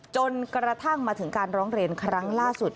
จนกระทั่งมาถึงการร้องเรียนครั้งล่าสุด